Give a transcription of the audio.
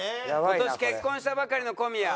今年結婚したばかりの小宮。